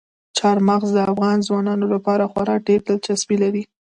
چار مغز د افغان ځوانانو لپاره خورا ډېره دلچسپي لري.